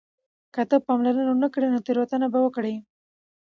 که ته پاملرنه ونه کړې نو تېروتنه به وکړې.